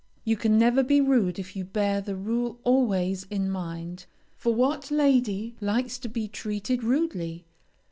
You can never be rude if you bear the rule always in mind, for what lady likes to be treated rudely?